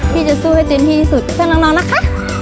พี่จะสู้ให้เต็มที่ที่สุดเพื่อนนะคะ